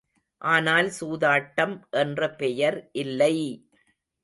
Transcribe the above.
ஆனால் சூதாட்டம் என்ற பெயர் இல்லை!